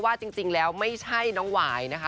ว่าจริงแล้วไม่ใช่น้องหวายนะคะ